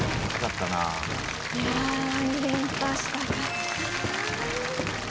いや２連覇したかった。